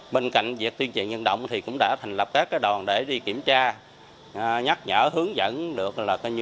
bên cạnh việc tuyên truyền nhân động thì cũng đã thành lập các đòn để đi kiểm tra nhắc nhở hướng dẫn được